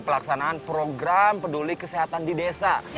pelaksanaan program peduli kesehatan di desa kebun agung